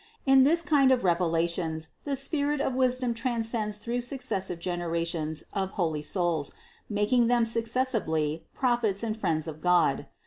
In this kind of revelations the spirit of wisdom transcends through successive generations of holy souls, making them successively prophets and friends of God.